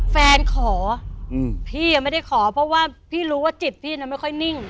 ขอพี่ไม่ได้ขอเพราะว่าพี่รู้ว่าจิตพี่น่ะไม่ค่อยนิ่ง